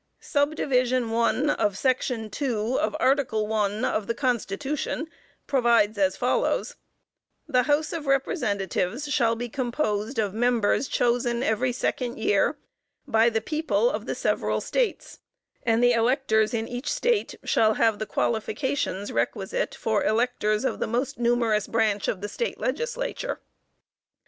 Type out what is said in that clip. Subdivision 1 of Section 2, of Article one of the Constitution, provides as follows: "The House of Representatives shall be composed of members chosen every second year by the people of the several States; and the electors in each State shall have the qualifications requisite for electors of the most numerous branch of the State Legislature."